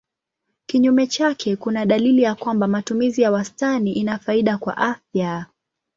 Kinyume chake kuna dalili ya kwamba matumizi ya wastani ina faida kwa afya.